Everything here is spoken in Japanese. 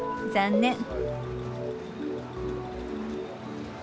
残念。